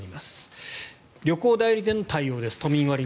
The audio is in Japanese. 旅行代理店の対応です。